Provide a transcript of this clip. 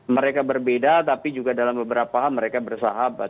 mereka berbeda tapi juga dalam beberapa hal mereka bersahabat